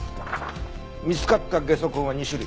見つかったゲソ痕は２種類。